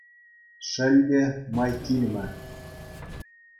Шел те, май килмӗ.